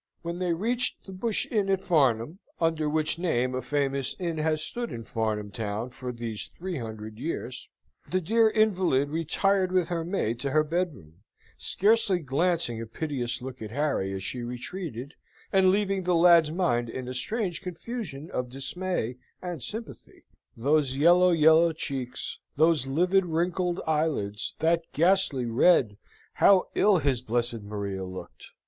When they reached the Bush Inn at Farnham, under which name a famous inn has stood in Farnham town for these three hundred years the dear invalid retired with her maid to her bedroom: scarcely glancing a piteous look at Harry as she retreated, and leaving the lad's mind in a strange confusion of dismay and sympathy. Those yellow, yellow cheeks, those livid wrinkled eyelids, that ghastly red how ill his blessed Maria looked!